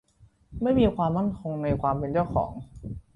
ไม่มีความมั่นคงในความเป็นเจ้าของ